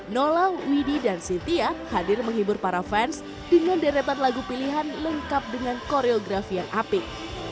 nola widhi dan sintia hadir menghibur para fans dengan deretan lagu pilihan lengkap dengan koreografi yang apik